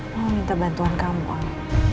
mama minta bantuan kamu al